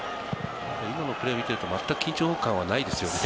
今のプレーを見ていると、まったく緊張感はないですよね。